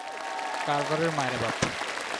কার্ভারের মায়রে বাপ।